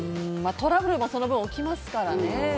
トラブルもその分、起きますからね。